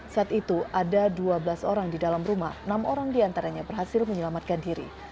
saat itu ada dua belas orang di dalam rumah enam orang diantaranya berhasil menyelamatkan diri